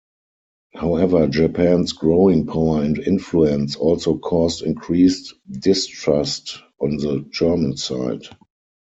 However, Japan's growing power and influence also caused increased distrust on the German side.